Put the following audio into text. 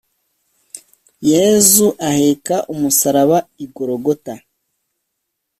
yezu aheka umusaraba igorogota